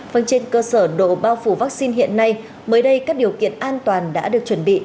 phần trên cơ sở độ bao phủ vắc xin hiện nay mới đây các điều kiện an toàn đã được chuẩn bị